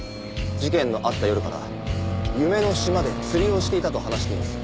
事件のあった夜から夢の島で釣りをしていたと話しています。